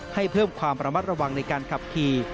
ให้เพิ่มความระมัดระวังในการขับขี่